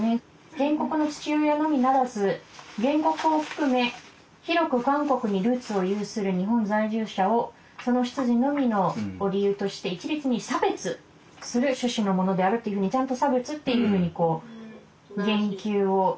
「原告の父親のみならず原告を含め広く韓国にルーツを有する日本在住者をその出自のみを理由として一律に差別する趣旨のものである」というふうにちゃんと差別っていうふうに言及をしていると。